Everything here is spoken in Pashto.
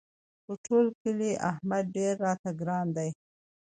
په ټول کلي احمد ډېر راته ګران دی.